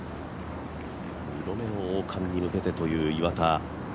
２度目の王冠に向けてという岩田。